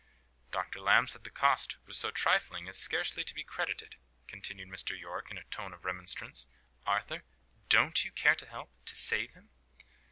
"Dr. Lamb says the cost was so trifling as scarcely to be credited," continued Mr. Yorke in a tone of remonstrance. "Arthur, don't you care to help to save him?"